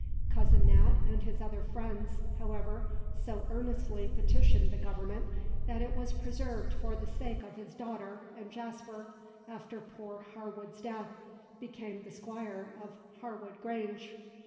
Cousin Nat and other friends, however, so earnestly petitioned the Government, that it was preserved for the sake of his daughter, and Jasper, after poor Harwood's death, became the Squire of Harwood Grange."